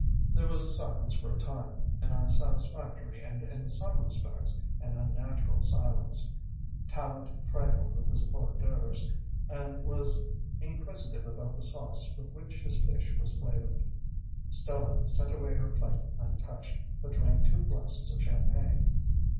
There was silence for a time, an unsatisfactory and in some respects an unnatural silence. Tallente trifled with his hors d'oeuvres and was inquisitive about the sauce with which his fish was flavoured. Stella sent away her plate untouched, but drank two glasses of champagne.